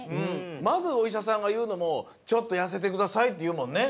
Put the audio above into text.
まずおいしゃさんがいうのもちょっとやせてくださいっていうもんね。